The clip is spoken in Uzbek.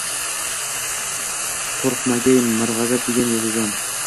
Qoʻrqmagay mirgʻazab degan yovuzdan.